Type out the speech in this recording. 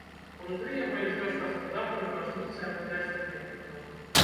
Унутры яго ёсць дошка фундатару бажніцы ад удзячных вернікаў.